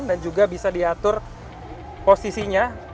dan juga bisa diatur posisinya